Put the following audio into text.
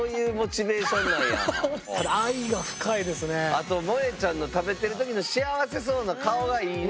あともえちゃんの食べてる時の幸せそうな顔がいいね。